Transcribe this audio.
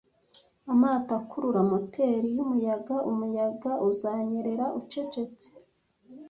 Amato akurura moteri yumuyaga umuyaga uzanyerera ucecetse